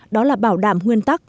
đó là bảo đảm nguyên tắc